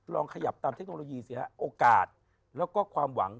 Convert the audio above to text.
ลองขยับตามเทคโนโลยีสิฮะโอกาสแล้วก็ความหวัง